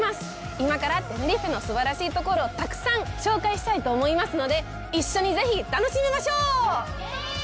今から、テネリフェのすばらしいところをたくさん紹介したいと思いますので、一緒にぜひ、楽しみましょう！